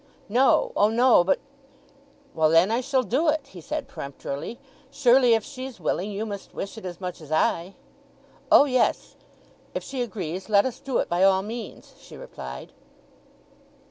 "No. O no. But—" "Well, then, I shall do it," he said, peremptorily. "Surely, if she's willing, you must wish it as much as I?" "O yes—if she agrees let us do it by all means," she replied.